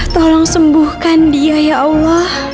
tolong sembuhkan dia ya allah